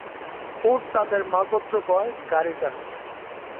উট তাদের মালপত্র বয়, গাড়ি টানে।